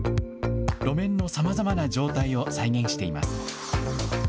路面のさまざまな状態を再現しています。